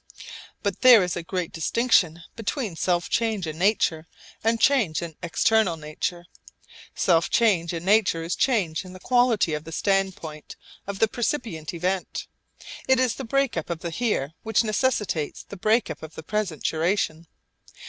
But there is a great distinction between self change in nature and change in external nature. Self change in nature is change in the quality of the standpoint of the percipient event. It is the break up of the 'here' which necessitates the break up of the present duration.